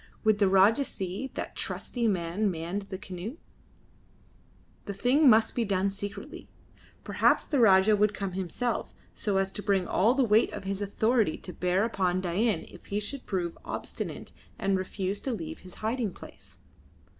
Would the Rajah see that trusty men manned the canoe? The thing must be done secretly. Perhaps the Rajah would come himself, so as to bring all the weight of his authority to bear upon Dain if he should prove obstinate and refuse to leave his hiding place.